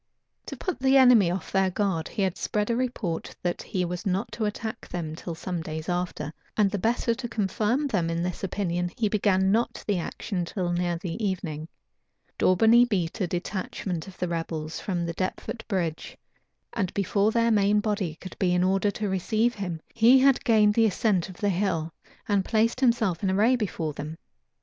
To put the enemy off their guard, he had spread a report that he was not to attack them till some days after; and the better to confirm them in this opinion, he began not the action till near the evening. Daubeney beat a detachment of the rebels from Deptford bridge; and before their main body could be in order to receive him, he had gained the ascent of the hill, and placed himself in array before them.